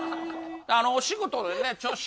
お仕事のね調子